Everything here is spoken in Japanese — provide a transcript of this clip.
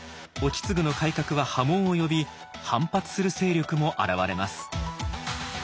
意次の改革は波紋を呼び反発する勢力も現れます。